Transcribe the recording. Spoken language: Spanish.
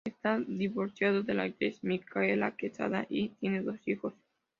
Está divorciado de la actriz Micaela Quesada y tiene dos hijos